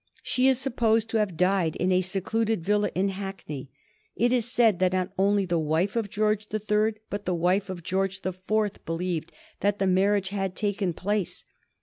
She is supposed to have died in a secluded villa in Hackney. It is said that not only the wife of George the Third but the wife of George the Fourth believed that the marriage had taken place.